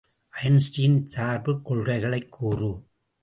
Einstein சார்புக் கொள்கைகளைக் கூறு.